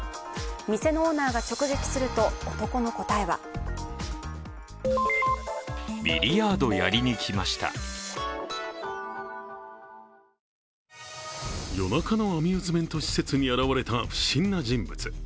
店のオーナーが直撃すると男の答えは夜中のアミューズメント施設に現れた不審な人物。